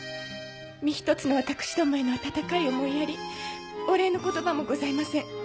身ひとつの私どもへの温かい思いやりお礼の言葉もございません。